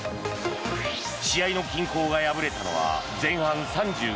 試合の均衡が破れたのは前半３５分。